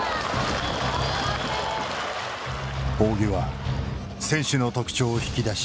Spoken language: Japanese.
仰木は選手の特徴を引き出し